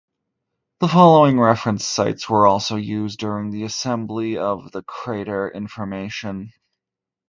The following reference sites were also used during the assembly of the crater information.